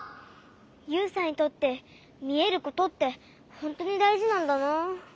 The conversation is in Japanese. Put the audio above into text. ユウさんにとってみえることってほんとにだいじなんだな。